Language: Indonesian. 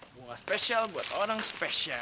bunga spesial buat orang spesial